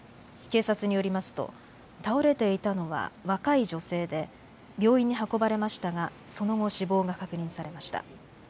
警察によりますと倒れていたのは若い女性で病院に運ばれましたがその後、死亡が確認されました。